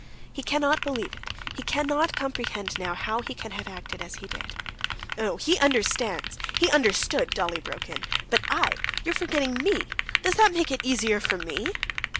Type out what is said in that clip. He cannot believe it, he cannot comprehend now how he can have acted as he did." "No; he understands, he understood!" Dolly broke in. "But I ... you are forgetting me ... does it make it easier for me?"